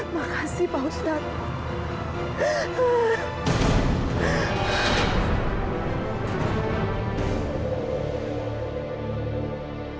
makasih pak ustadz